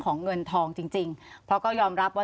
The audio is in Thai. ของเงินทองจริงเพราะก็ยอมรับว่า